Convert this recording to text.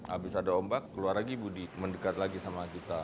abis ada ombak keluar lagi budi mendekat lagi sama kita